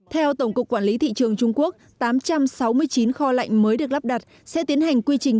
theo tổng cục quản lý thị trường trung quốc tám trăm sáu mươi chín kho lạnh mới được lắp đặt sẽ tiến hành quy trình